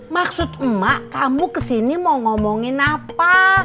maksud emak kamu kesini mau ngomongin apa